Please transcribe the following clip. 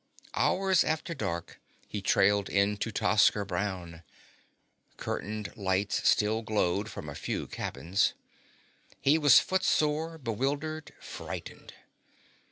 Hours after dark he trailed into Tosker Brown. Curtained lights still glowed from a few cabins. He was footsore, bewildered, frightened.